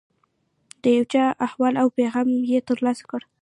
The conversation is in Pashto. د یو چا احوال او پیغام یې ترلاسه کړ.